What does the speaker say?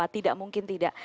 tidak mungkin tidak